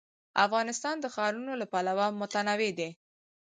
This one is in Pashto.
افغانستان د ښارونه له پلوه متنوع دی.